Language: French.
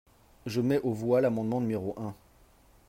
Je mets aux voix l’amendement numéro un.